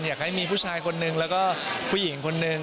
อยากให้มีผู้ชายคนนึงแล้วก็ผู้หญิงคนนึง